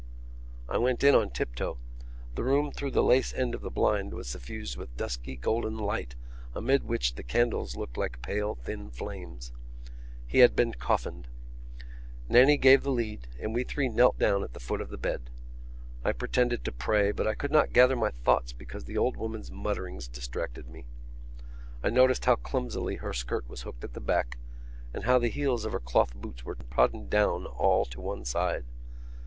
I went in on tiptoe. The room through the lace end of the blind was suffused with dusky golden light amid which the candles looked like pale thin flames. He had been coffined. Nannie gave the lead and we three knelt down at the foot of the bed. I pretended to pray but I could not gather my thoughts because the old woman's mutterings distracted me. I noticed how clumsily her skirt was hooked at the back and how the heels of her cloth boots were trodden down all to one side.